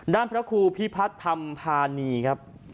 พระครูพิพัฒน์ธรรมพานีครับ